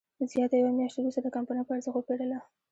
زیات یوه میاشت وروسته د کمپنۍ په ارزښت وپېرله.